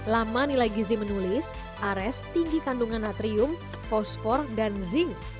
lama nilai gizi menulis ares tinggi kandungan natrium fosfor dan zinc